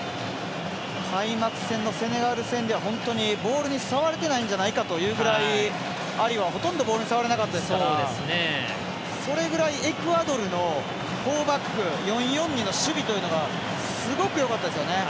開幕戦のセネガル戦では本当にボールに触れてないんじゃないかというぐらいアリは、ほとんどボールに触れなかったですからそれぐらいエクアドルのフォーバック４‐４‐２の守備というのがすごくよかったですよね。